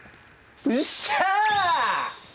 うっしゃ！